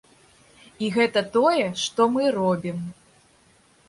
І гэта тое, што мы робім.